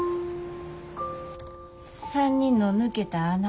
３人の抜けた穴